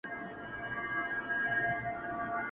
مور له زامنو څخه پټیږي!!